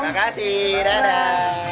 terima kasih dadah